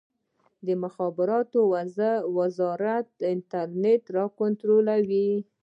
د مخابراتو وزارت انټرنیټ کنټرولوي؟